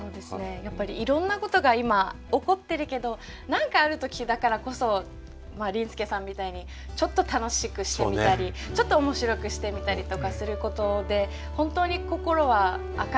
やっぱりいろんなことが今起こってるけど何かある時だからこそ林助さんみたいにちょっと楽しくしてみたりちょっと面白くしてみたりとかすることで本当に心は明るくなるのかなって思うし